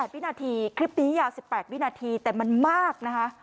วินาทีคลิปนี้ยาว๑๘วินาทีแต่มันมากนะคะ